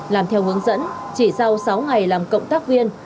làm theo hướng dẫn chỉ sau sáu ngày làm cộng tác viên